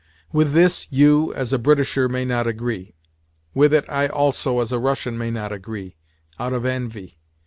With this you, as a Britisher, may not agree. With it I also, as a Russian, may not agree—out of envy.